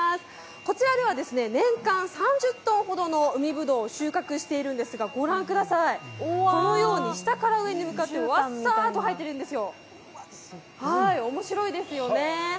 こちらでは年間３０ｔほどの海ぶどうを収穫しているんですが、ご覧ください、このように下から上に向かってワッサーと生えているんですよる面白いですよね。